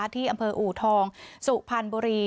ที่อำเภออู๋ทองสุภัณฑ์บุรี